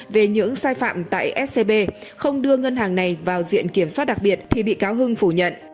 về những sai phạm tại scb không đưa ngân hàng này vào diện kiểm soát đặc biệt thì bị cáo hưng phủ nhận